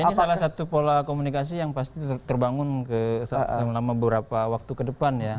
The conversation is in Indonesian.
ini salah satu pola komunikasi yang pasti terbangun selama beberapa waktu ke depan ya